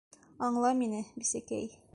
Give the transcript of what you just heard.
Аңла мине, бисәкәй.